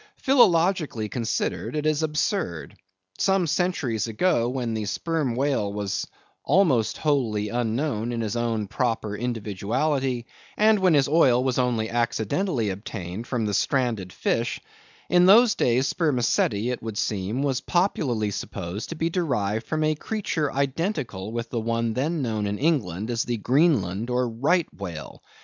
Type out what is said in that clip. Philologically considered, it is absurd. Some centuries ago, when the Sperm whale was almost wholly unknown in his own proper individuality, and when his oil was only accidentally obtained from the stranded fish; in those days spermaceti, it would seem, was popularly supposed to be derived from a creature identical with the one then known in England as the Greenland or Right Whale.